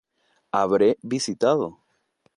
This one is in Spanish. Habré visitado?